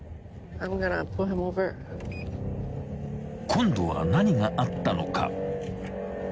［今度は何があったのか］